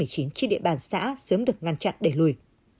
trên địa bàn xã sớm được ngăn chặn đẩy lùi